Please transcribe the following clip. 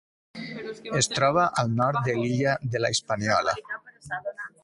Es troba al nord de l'illa de la Hispaniola: